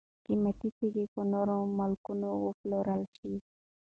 قیمتي تیږي په نورو ملکونو وپلورل شي.